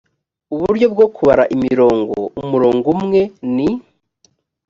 uburyo bwo kubara imirongo umurongo umwe ni